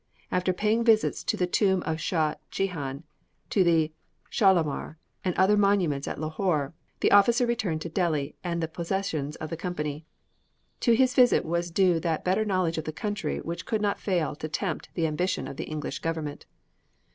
After paying visits to the tomb of Shah Jehan, to the Schalamar, and other monuments at Lahore, the officer returned to Delhi and the possessions of the Company. To his visit was due that better knowledge of the country which could not fail to tempt the ambition of the English Government.